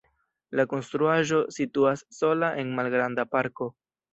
La konstruaĵo situas sola en malgranda parko.